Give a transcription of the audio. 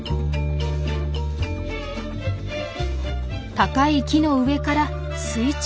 高い木の上から水中まで。